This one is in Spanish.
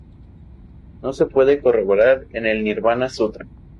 Esto se puede corroborar en el "Nirvana Sutra".